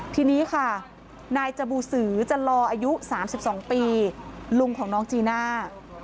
ทีนี้ค่ะนายจบูสือจันลออายุ๓๒ปีลุงของน้องจีน่า